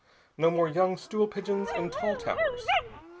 "No more young stool pigeons in tall towers.